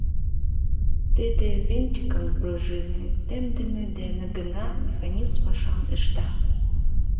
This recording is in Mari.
Тиде винтикым пружине темдыме дене гына механизм пашам ышта.